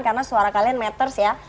karena suara kalian matters ya